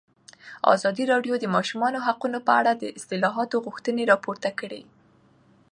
ازادي راډیو د د ماشومانو حقونه په اړه د اصلاحاتو غوښتنې راپور کړې.